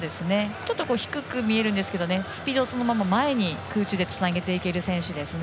ちょっと低く見えるんですけどスピードをそのまま前に空中でつなげていける選手ですね。